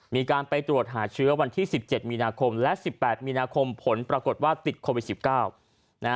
มีการไปตรวจหาเชื้อวันที่๑๗มีนาคมและ๑๘มีนาคมผลปรากฏว่าติดโควิด๑๙